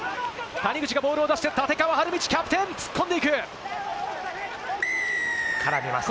谷口がボールを出して立川理道キャプテン、突っ込んでい絡みましたね。